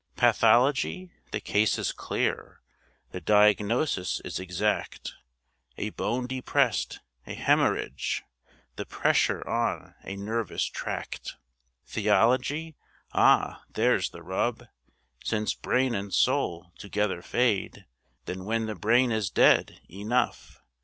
Pathology? The case is clear, The diagnosis is exact; A bone depressed, a haemorrhage, The pressure on a nervous tract. Theology? Ah, there's the rub! Since brain and soul together fade, Then when the brain is dead enough!